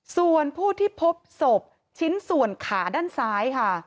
ส่วนผู้ที่พบศพชิ้นส่วนขาด้านซ้ายค่ะ